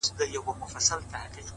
سترګي له نړۍ څخه پټي کړې -